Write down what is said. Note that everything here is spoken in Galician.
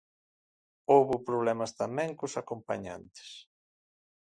Houbo problemas tamén cos acompañantes.